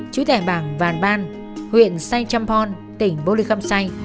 chú thẻ bảng vàn ban huyện sai champon tỉnh bô lê khâm sai